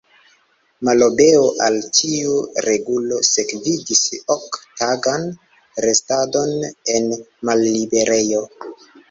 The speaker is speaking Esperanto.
Malobeo al tiu regulo sekvigis ok-tagan restadon en malliberejo.